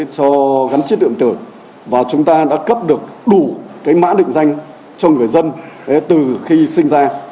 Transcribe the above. cho gắn chip điện tử và chúng ta đã cấp được đủ cái mã định danh cho người dân từ khi sinh ra